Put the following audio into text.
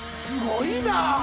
すごいな。